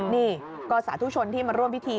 นี่ก็สาธุชนที่มาร่วมพิธี